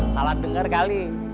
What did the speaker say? salah denger kali